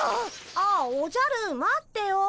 ああおじゃる待ってよ。